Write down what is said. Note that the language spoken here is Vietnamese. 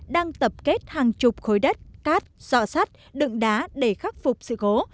đang tập kết hàng chục khối đất cát sọ sắt đựng đá để khắc phục sự cố